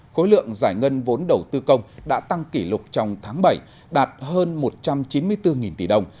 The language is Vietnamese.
khối lượng giải ngân vốn đầu tư công đã tăng kỷ lục trong tháng bảy đạt hơn một trăm chín mươi bốn tỷ đồng